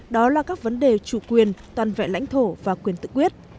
đó là các vấn đề chủ quyền toàn vẹn lãnh thổ và quyền tự quyết